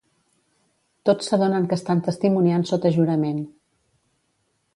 Tots s'adonen que estan testimoniant sota jurament.